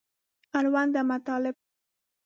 اړونده مطالب